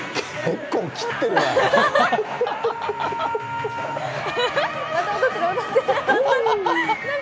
結構切ってるな。